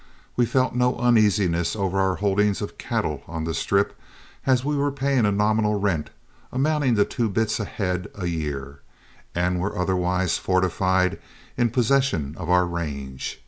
We felt no uneasiness over our holdings of cattle on the Strip, as we were paying a nominal rent, amounting to two bits a head a year, and were otherwise fortified in possession of our range.